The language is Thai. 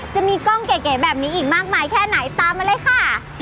จะมีกล้องเก๋แบบนี้อีกมากมายแค่ไหนตามมาเลยค่ะ